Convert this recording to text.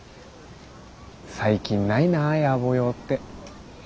最近ないなぁ野暮用って。